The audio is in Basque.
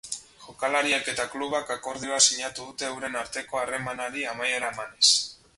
Jokalariak eta klubak akordioa sinatu dute euren arteko harremanari amaiera emanez.